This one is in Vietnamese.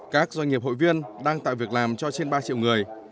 các doanh nghiệp hội viên đang tạo việc làm cho trên ba triệu người